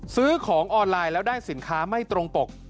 ถ้าสินค้าไม่ตรงปก